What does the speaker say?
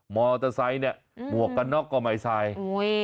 มอเตอร์ไซค์เนี่ยหมวกกับนอกกว่าไมค์ไซค์